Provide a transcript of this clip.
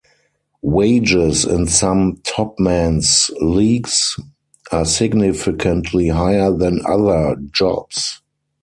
Wages in some top men's leagues are significantly higher than other jobs.